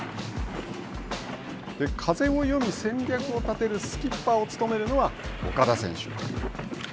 風を読み戦略を立てるスキッパーを務めるのは岡田選手。